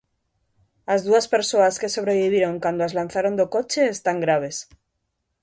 As dúas persoas que sobreviviron cando as lanzaron do coche están graves.